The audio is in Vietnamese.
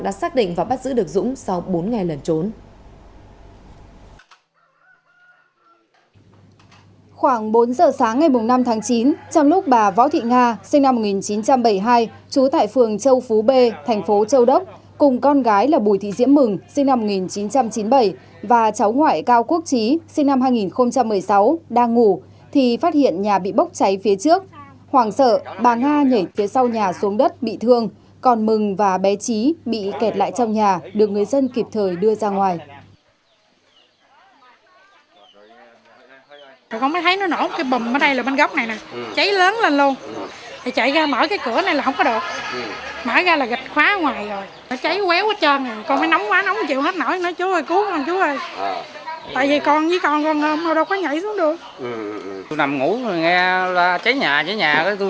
đã xác định và bắt giữ được dũng sau bốn ngày lần